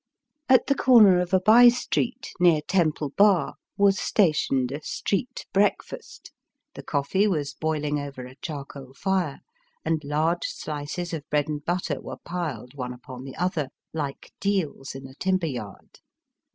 At the corner of a by street, near Temple Bar, was stationed a "street breakfast." The coffee was boiling over a charcoal fire, and large slices of bread and butter were piled one upon the other, like deals in a timber yard.